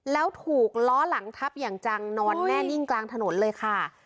แล้วถูกล้อหลังทับอย่างจังนอนแน่นิ่งกลางถนนเลยค่ะ